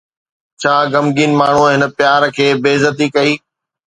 ڇا غمگين ماڻهوءَ هن پيار کي بي عزتي ڪئي؟